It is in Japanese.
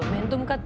って。